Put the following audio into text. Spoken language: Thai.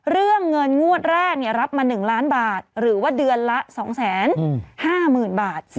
เรื่องเงินงวดแรกรับมา๑ล้านบาทหรือว่าเดือนละ๒๕๐๐๐บาท